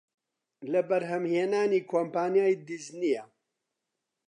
لە بەرهەمهێنانی کۆمپانیای دیزنییە